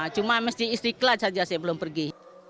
cuma masjid istiqlal saja saya belum pergi